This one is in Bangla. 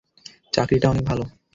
চাকরিটা অনেক ভালো।